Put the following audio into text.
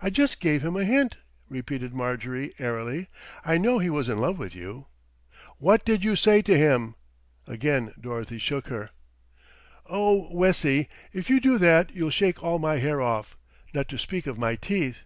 "I just gave him a hint," repeated Marjorie airily. "I knew he was in love with you." "What did you say to him?" Again Dorothy shook her. "Oh, Wessie, if you do that you'll shake all my hair off, not to speak of my teeth.